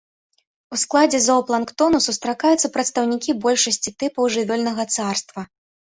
У складзе зоапланктону сустракаюцца прадстаўнікі большасці тыпаў жывёльнага царства.